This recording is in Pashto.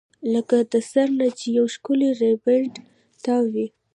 لکه د سر نه چې يو راښکلی ربر بېنډ تاو وي